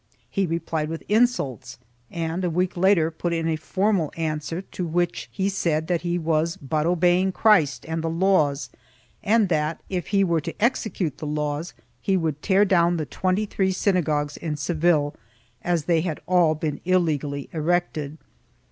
He replied with insults and, a week later, put in a formal answer in which he said that he was but obeying Christ and the laws and that, if he were to execute the laws, he would tear down the twenty three synagogues in Seville as they had all been illegally erected.